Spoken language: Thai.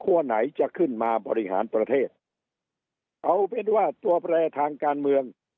ไหนจะขึ้นมาบริหารประเทศเอาเป็นว่าตัวแปรทางการเมือง